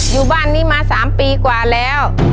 อยู่บ้านนี้มา๓ปีกว่าแล้ว